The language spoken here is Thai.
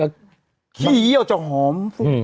ก็ขี้เอาจะหอม